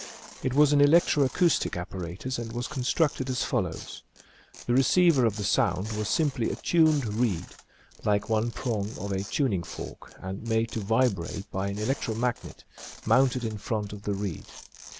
It was an electro acoustic apparatus and was constructed as follows: The receiver of the sound was simply a tuned reed, like one prong of a tuning fork, and made to vibrate by an electro magnet, mounted ia front of the reed.